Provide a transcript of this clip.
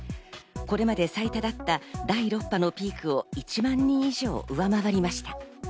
これまで最多だった第６波のピークを１万人以上、上回りました。